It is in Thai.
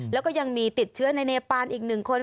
แล้วก็ยังมีติดเชื้อในเนปานอีก๑คน